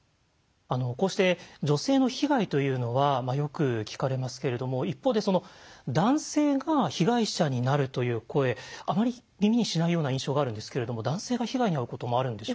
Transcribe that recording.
こうして女性の被害というのはよく聞かれますけれども一方で男性が被害者になるという声あまり耳にしないような印象があるんですけれども男性が被害に遭うこともあるんでしょうか？